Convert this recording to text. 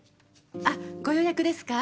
あっご予約ですか？